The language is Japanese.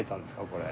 これ。